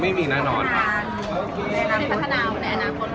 ไม่มีแข็งอะไร